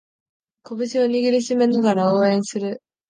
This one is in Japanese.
拳を握りしめながら応援する